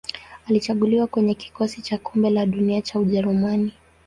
Alichaguliwa kwenye kikosi cha Kombe la Dunia cha Ujerumani.